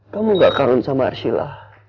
kamu gak kangen sama arsila